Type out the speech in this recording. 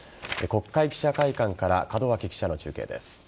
国会記者会館から門脇記者の中継です。